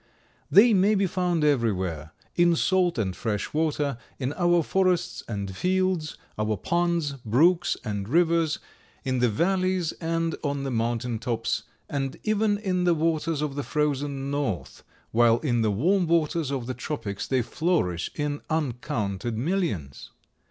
They may be found everywhere, in salt and fresh water, in our forests and fields, our ponds, brooks and rivers; in the valleys and on the mountain tops, and even in the waters of the frozen north, while in the warm waters of the tropics they flourish in uncounted millions.